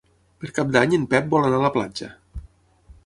Per Cap d'Any en Pep vol anar a la platja.